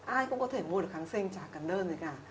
ai cũng có thể mua được kháng sinh chả cảm đơn gì cả